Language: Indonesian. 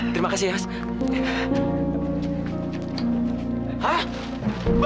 terima kasih mas